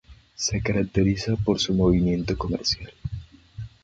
Se caracteriza por su movimiento comercial.